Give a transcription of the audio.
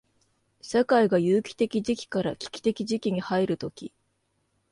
社会が有機的時期から危機的時期に入るとき、